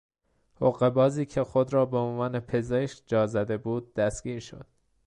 حقهبازی که خود را به عنوان پزشک جا زده بود دستگیر شد.